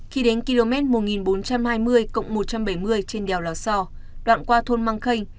khi đến km một nghìn bốn trăm hai mươi một trăm bảy mươi trên đèo lò so đoạn qua thôn măng khê